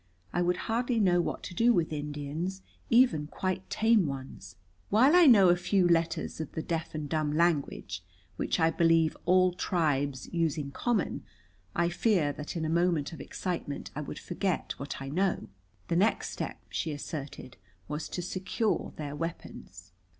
I would hardly know what to do with Indians, even quite tame ones. While I know a few letters of the deaf and dumb language, which I believe all tribes use in common, I fear that in a moment of excitement I would forget what I know." The next step, she asserted, was to secure their weapons.